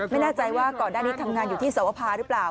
ไม่แน่ใจว่าก่อนหน้านี้ทำงานอยู่ที่สวภาหรือเปล่า